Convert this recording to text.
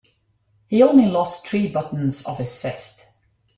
He only lost three buttons off his vest.